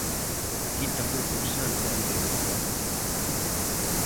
A quinta concursante é moi nova.